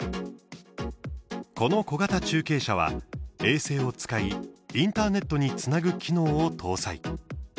この小型中継車は衛星を使いインターネットにつなぐ機能を搭載。